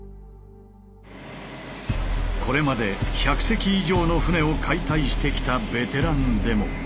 これまで１００隻以上の船を解体してきたベテランでも。